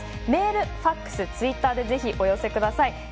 メール、ファクス、ツイッターでぜひお寄せください。